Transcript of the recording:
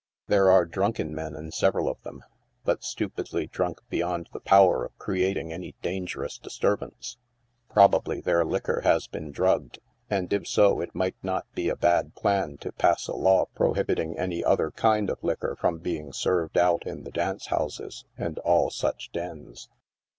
There are drunken men in several of them, but stupidly drunk beyond ihe power of crea ting any dangerous disturbance. Probably their liquor has been drugged, and if so, it might not be a bad plan to pass a law prohib iting any other kind of liquor from being served out in the dance houses and all such dens.